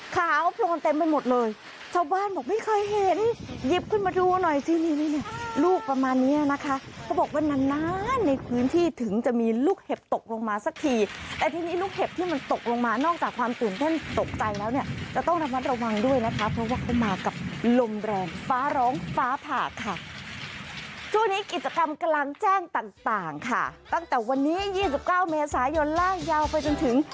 กิจกรรมกำลังแจ้งต่างต่างค่ะตั้งแต่วันนี้ยี่สิบเก้าเมษายนร่างยาวไปจนถึง